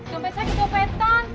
dompet saya kecopetan